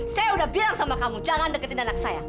saya udah bilang sama kamu jangan deketin anak saya